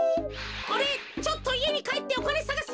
おれちょっといえにかえっておかねさがすよ。